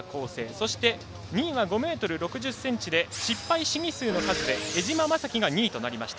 そして、２位は５ｍ６０ｃｍで失敗試技数の数で江島雅紀が２位となりました。